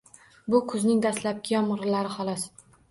Bu kuzning dastlabki yomgʻirlari xolos.